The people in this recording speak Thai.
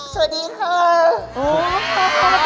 สวัสดีครับ